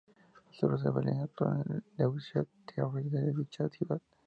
A su regreso a Berlín actuó en el Deutsches Theater de dicha ciudad.